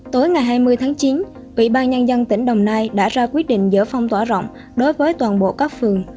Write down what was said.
tối ngày hai mươi tháng chín ủy ban nhân dân tỉnh đồng nai đã ra quyết định dỡ phong tỏa rộng đối với toàn bộ các phường